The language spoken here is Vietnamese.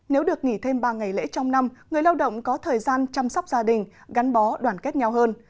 nếu được nghỉ thêm ba ngày lễ trong năm người lao động có thời gian chăm sóc gia đình gắn bó đoàn kết nhau hơn